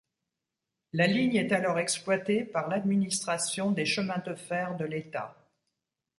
La ligne est alors exploitée par l'Administration des chemins de fer de l'État.